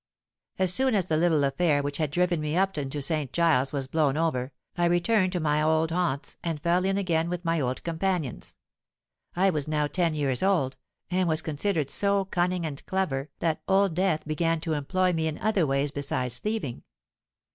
"As soon as the little affair, which had driven me up into St. Giles's, was blown over, I returned to my old haunts, and fell in again with my old companions. I was now ten years old, and was considered so cunning and clever that Old Death began to employ me in other ways besides thieving.